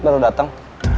kalian sudah lama